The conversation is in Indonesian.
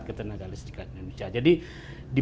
ketenaga listrikan indonesia jadi di